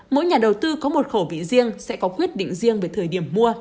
mỗi nhà đầu tư có một khẩu vị riêng sẽ có quyết định riêng về thời điểm mua